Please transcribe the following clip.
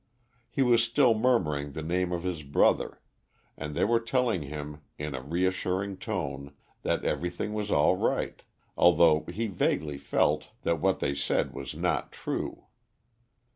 He was still murmuring the name of his brother, and they were telling him, in a reassuring tone, that everything was all right, although he vaguely felt that what they said was not true.